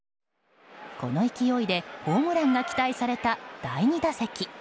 この勢いでホームランが期待された第２打席。